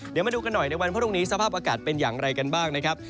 เดี๋ยวมาดูกันหน่อยในวันพรุ่งนี้สภาพอากาศเป็นอย่างไรกันบ้างนะครับ